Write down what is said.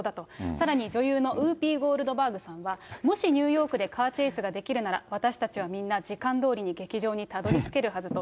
さらに、女優のウーピー・ゴールドバーグさんは、もしニューヨークでカーチェイスができるなら、私たちはみんな時間通りに劇場にたどりつけるはずと。